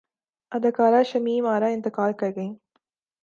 اداکارہ شمیم ارا انتقال کرگئیں